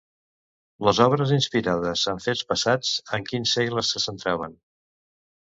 Les obres inspirades en fets passats, en quins segles se centraven?